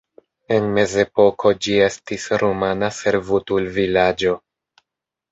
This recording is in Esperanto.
En mezepoko ĝi estis rumana servutulvilaĝo.